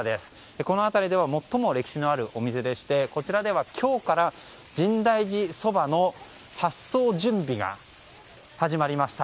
この辺りでは最も歴史のあるお店でしてこちらでは今日から深大寺そばの発送準備が始まりました。